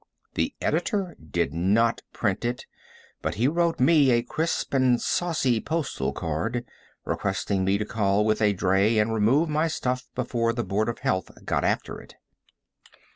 The editor did not print it, but he wrote me a crisp and saucy postal card, requesting me to call with a dray and remove my stuff before the board of health got after it.